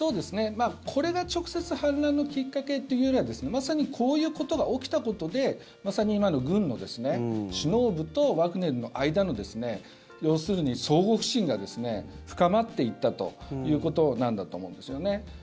これが直接反乱のきっかけというよりはまさにこういうことが起きたことでまさに今の軍の首脳部とワグネルの間の要するに相互不信が深まっていったということなんだと思うんですよね。